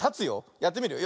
やってみるよ。